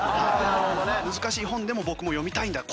難しい本でも僕も読みたいんだ。